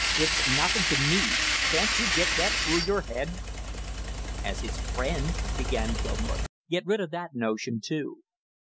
It's nothing to me; can't you get that through your head?" "As his friend " began Gilmore. "Get rid of that notion, too!"